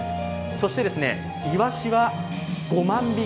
そして、イワシは５万匹。